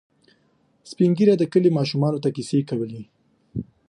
سپين ږیري د کلي ماشومانو ته کیسې کولې.